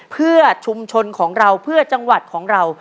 เพื่อชุมชนของเราเพื่อจังหวัดของเรา